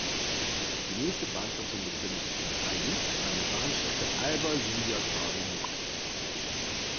Die nächste Bahnstation befindet sich in Aiud an der Bahnstrecke Alba Iulia–Târgu Mureș.